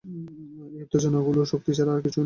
এই উত্তেজনাগুলি শক্তি ছাড়া আর কিছুই নয়।